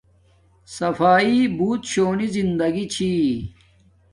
صفاݵݷ بوت شونی زندگی چھی